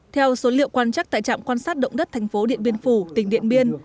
theo số liệu quan trắc tại trạm quan sát động đất thành phố điện biên phủ tỉnh điện biên